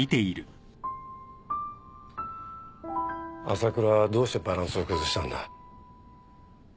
朝倉はどうしてバランスを崩したんだ？